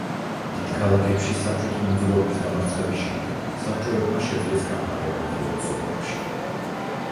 დიდ ქალაქებში საბჭოთა მოძრაობის დამარცხების შემდეგ, საბჭოებმა შეძლეს გამყარება მხოლოდ სოფლებში.